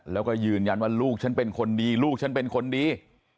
แล้วก็ยืนยันว่าลูกฉันเป็นคนดีลูกฉันเป็นคนดี